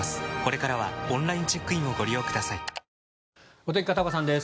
お天気、片岡さんです。